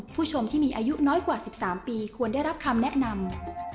ผู้ชมที่มีอายุน้อยกว่า๑๓ปีควรได้รับคำแนะนำ